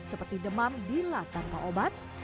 seperti demam bila tanpa obat